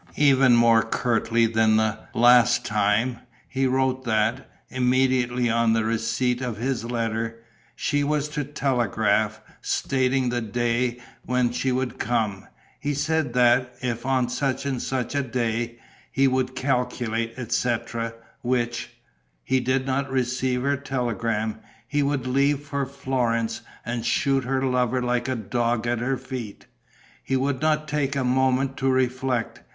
Even more curtly than last time, he wrote that, immediately on the receipt of his letter, she was to telegraph, stating the day when she would come. He said that, if on such and such a day he would calculate, etc., which he did not receive her telegram, he would leave for Florence and shoot her lover like a dog at her feet. He would not take a moment to reflect.